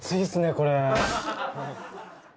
これ。